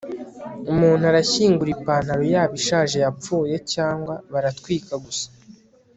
umuntu arashyingura ipantaro yabo ishaje yapfuye, cyangwa baratwika gusa